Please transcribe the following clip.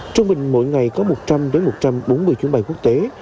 trung bình mỗi ngày có một trăm linh một trăm bốn mươi chuyến bay quốc tế